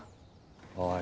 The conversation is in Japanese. おい。